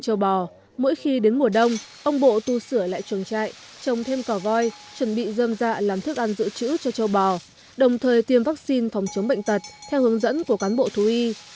châu bò mỗi khi đến mùa đông ông bộ tu sửa lại chuồng trại trồng thêm cỏ voi chuẩn bị dơm dạ làm thức ăn dự trữ cho châu bò đồng thời tiêm vaccine phòng chống bệnh tật theo hướng dẫn của cán bộ thú y